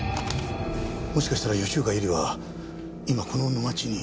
もしかしたら吉岡百合は今この沼地に。